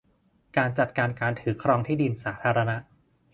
การจัดการการถือครองที่ดินสาธารณะ